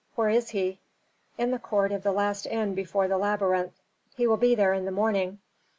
"Where is he?" "In the court of the last inn before the labyrinth. He will be there in the morning."